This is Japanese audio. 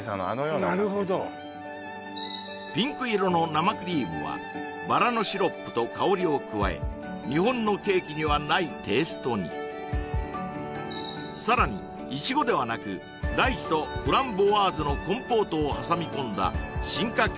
なるほどピンク色の生クリームはバラのシロップと香りを加え日本のケーキにはないテイストにさらにいちごではなくライチとフランボワーズのコンポートを挟み込んだ進化系